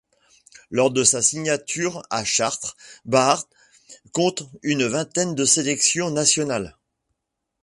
Lors de sa signature à Chartres, Baart compte une vingtaine de sélections nationales.